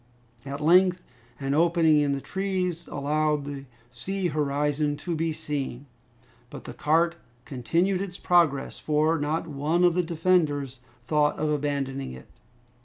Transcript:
At length an opening in the trees allowed the sea horizon to be seen. But the cart continued its progress, for not one of its defenders thought of abandoning it.